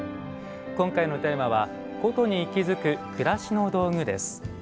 今回のテーマは「古都に息づく暮らしの道具」です。